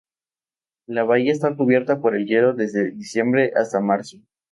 La bahía está cubierta por el hielo desde diciembre hasta marzo.